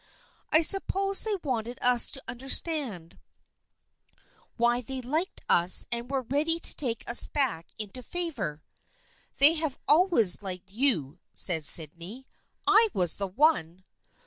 I suppose they wanted us to understand why they liked us and were ready to take us back into favor." "They have always liked you," said Sydney. " I was the one